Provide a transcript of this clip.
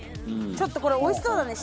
ちょっとこれおいしそうだね。